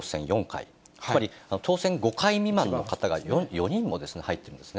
今回、当選５回未満の方が４人も入っているんですね。